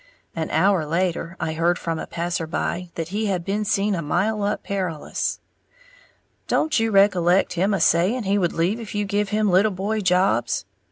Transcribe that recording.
An hour later, I heard from a passer by that he had been seen a mile up Perilous. "Don't you recollect him a saying he would leave if you give him little boy jobs?"